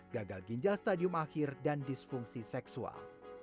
gagal ginjal stadium akhir dan disfungsi seksual